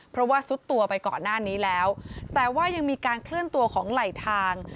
เพราะว่าซุดตัวไปก่อนหน้านี้แล้วแต่ว่ายังมีการเคลื่อนตัวของไหลทาง